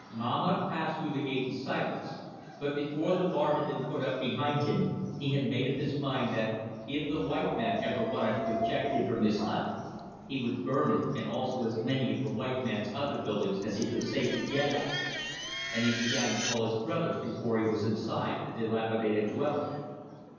Mahmat passed through the gate in silence, but before the bar had been put up behind him he had made up his mind that if the white man ever wanted to eject him from his hut, he would burn it and also as many of the white man's other buildings as he could safely get at. And he began to call his brothers before he was inside the dilapidated dwelling.